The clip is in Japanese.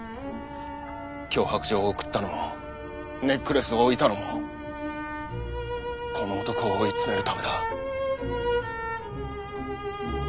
脅迫状を送ったのもネックレスを置いたのもこの男を追い詰めるためだ。